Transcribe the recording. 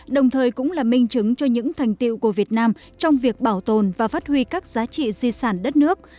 đồng thời cũng là minh chứng cho những thành tiệu của việt nam trong việc bảo tồn và phát huy các giá trị di sản đất nước